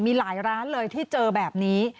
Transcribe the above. มีหลายร้านเลยที่เจอแบบนี้